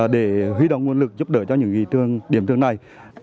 để huy động nguồn lực giúp đỡ cho những trường điểm trường này